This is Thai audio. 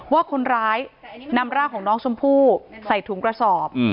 ว่าคนร้ายนำร่างของน้องชมพู่ใส่ถุงกระสอบ